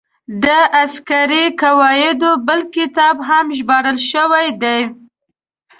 د عسکري قواعدو بل کتاب هم ژباړل شوی دی.